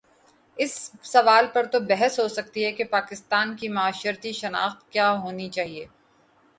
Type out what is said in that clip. اس سوال پر تو بحث ہو سکتی ہے کہ پاکستان کی معاشرتی شناخت کیا ہو نی چاہیے۔